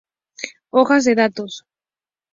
Hojas de datos